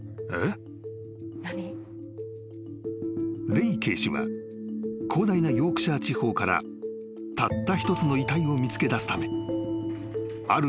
［レイ警視は広大なヨークシャー地方からたった一つの遺体を見つけだすためある